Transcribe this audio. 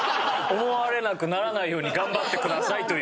思われなくならないように頑張ってくださいという。